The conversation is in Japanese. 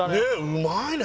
うまいね！